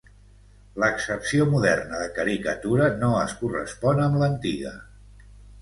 L'accepció moderna de caricatura no es correspon amb l'antiga.